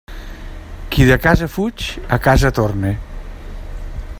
Qui de casa fuig, a casa torne.